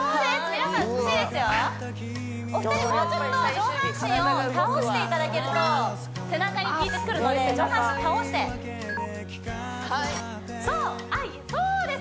皆さん美しいですよお二人もうちょっと上半身を倒していただけると背中にきいてくるので上半身倒してはいそうあっそうです